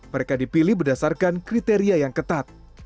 mereka dipilih berdasarkan kriteria yang ketat